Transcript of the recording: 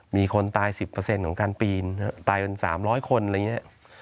มีคนตายสิบเปอร์เซ็นต์ของการปีนตายเป็นสามร้อยคนอะไรอย่างเงี้ย